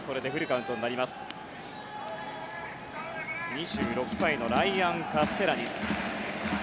２６歳のライアン・カステラニ。